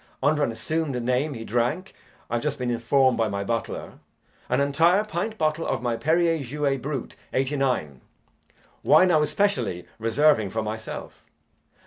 Under an assumed name he drank, I've just been informed by my butler, an entire pint bottle of my Perrier Jouet, Brut, '89; wine I was specially reserving for myself.